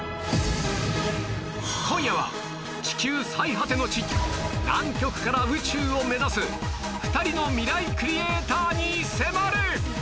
今夜は地球最果ての地南極から宇宙を目指す２人のミライクリエイターに迫る！